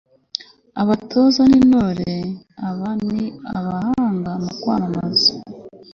abatoza n'intore aba ni abahanga mu kwamamaza